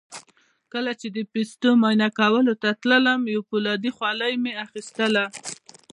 کله چې د پوستو معاینه کولو ته تلم یو فولادي خولۍ مې اخیستله.